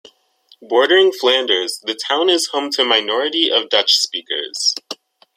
Bordering Flanders, the town is home to a minority of Dutch-speakers.